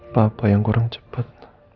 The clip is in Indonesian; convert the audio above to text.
papa yang kurang cepet